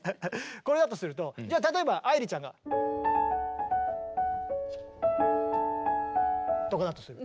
これだとするとじゃあ例えば愛理ちゃんが。とかだとする。